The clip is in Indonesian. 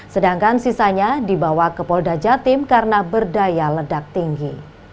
sedangkan sisanya dibawa ke polda jatim karena berdaya ledak tinggi